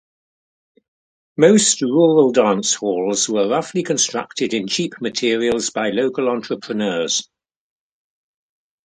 Most rural dance halls were roughly constructed in cheap materials by local entrepreneurs.